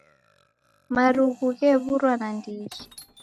Marughu ghewurwa nandigi.